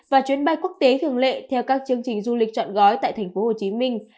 và chuyến bay quốc tế thường lệ theo các chương trình du lịch chọn gói tại thành phố hồ chí minh